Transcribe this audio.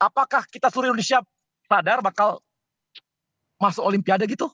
apakah kita seluruh indonesia sadar bakal masuk olimpiade gitu